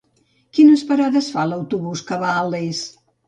Quines parades fa l'autobús que va a Les?